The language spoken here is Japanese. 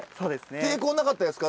抵抗なかったですか？